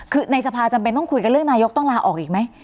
คือในสภาจำเป็นต้องคุยกันเรื่องนายกต้องลาออกอีกไหม